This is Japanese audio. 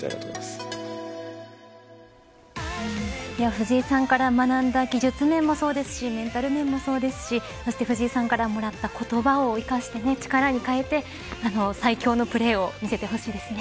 藤井さんから学んだ技術面もそうですしメンタル面もそうですしそして藤井さんからもらった言葉を生かして、力に変えて最強のプレーを見せてほしいですね。